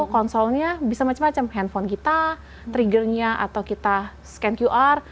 konsolnya bisa macam macam handphone kita triggernya atau kita scan qr